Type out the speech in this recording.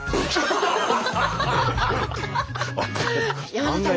山田さん